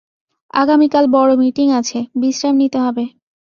আগামীকাল বড় মিটিং আছে, বিশ্রাম নিতে হবে।